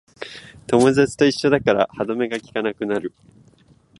友達と一緒だから歯止めがきかなくなる